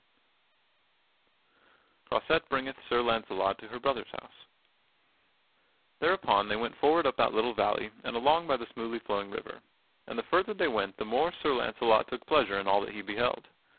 [Sidenote: Croisette bringeth Sir Launcelot to her brother's house] Thereupon they went forward up that little valley, and along by the smoothly flowing river, and the farther they went the more Sir Launcelot took pleasure in all that he beheld.